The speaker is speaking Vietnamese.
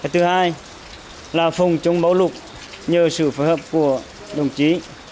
thứ hai là phòng chống bão lụt nhờ sự phối hợp của đồng chí